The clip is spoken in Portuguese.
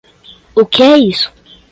O que é isso